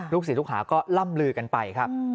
ลูกศิษย์ลูกฮาก็ล่ำลือกันไปครับ